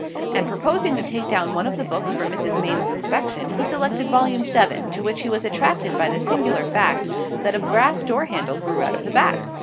And proposing to take down one of the books for Mrs. Maine's inspection, he selected Volume VII., to which he was attracted by the singular fact that a brass door handle grew out of the back.